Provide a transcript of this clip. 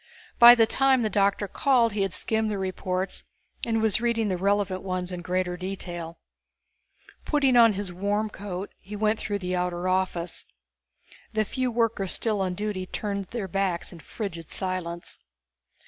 By the time the doctor called he had skimmed the reports and was reading the relevant ones in greater detail. Putting on his warm coat, he went through the outer office. The few workers still on duty turned their backs in frigid silence.